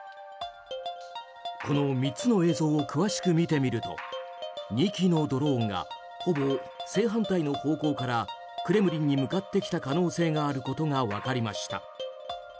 この３つの映像を詳しく見てみると２機のドローンがほぼ正反対の方向からクレムリンに向かってきた可能性があることが分かりました。